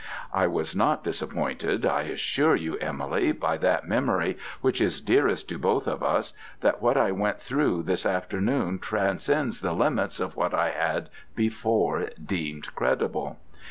I was not disappointed. I assure you, Emily, by that memory which is dearest to both of us, that what I went through this afternoon transcends the limits of what I had before deemed credible.